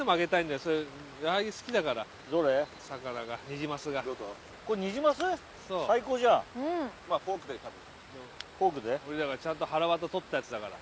・俺らがちゃんとはらわた取ったやつだから。